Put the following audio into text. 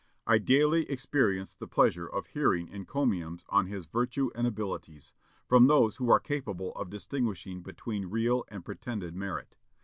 I daily experience the pleasure of hearing encomiums on his virtue and abilities, from those who are capable of distinguishing between real and pretended merit.